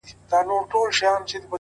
يې پټ په لاس نوکاره کړ او ويې ويل_